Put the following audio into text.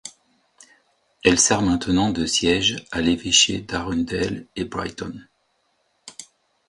Elle sert maintenant de siège à l'évêché d'Arundel et Brighton.